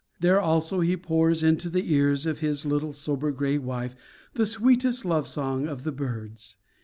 There also he pours into the ears of his sober little gray wife the sweetest love song of the birds.